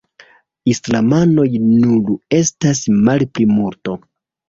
Islamanoj nur estas malplimulto.